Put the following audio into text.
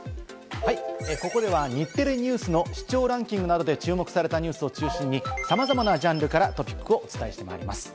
ここでは日テレＮＥＷＳの視聴ランキングなどで注目されたニュースを中心にさまざまなジャンルからトピックをお伝えしてまいります。